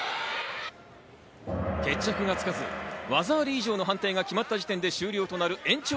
決着がつかず、技あり以上の技が決まった時点で決まる試合。